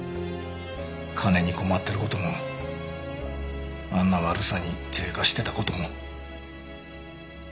金に困ってる事もあんな悪さに手え貸してた事も。